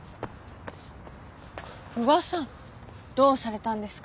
久我さんどうされたんですか？